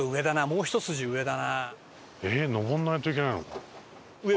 もうひと筋上だな。